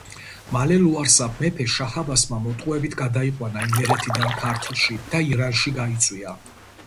მალე ლუარსაბ მეფე შაჰ-აბასმა მოტყუებით გადაიყვანა იმერეთიდან ქართლში და ირანში გაიწვია.